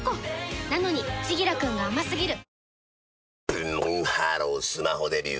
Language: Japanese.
ブンブンハロースマホデビュー！